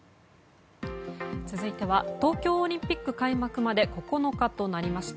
続いては東京オリンピック開幕まで９日となりました。